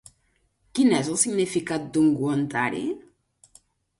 Quin és el significat d'ungüentari?